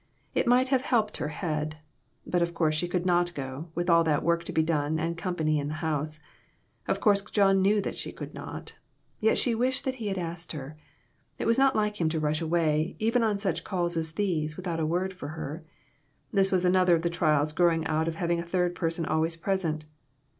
It might have helped her head. But of course she could not go, with all that work to be done and company in the house ; of course John knew she could not ; yet she wished that he had asked her. It was not like him to rush away, even on such calls as these, without a word for her. This was another of the trials growing out of having a third person always present.